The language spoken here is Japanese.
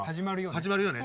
「始まるよ」ね。